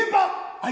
はい。